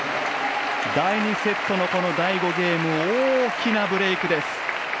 第２セットの第５ゲーム大きなブレークです。